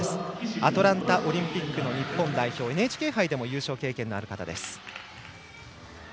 アトランタオリンピックの日本代表、ＮＨＫ杯でも優勝経験のある方です。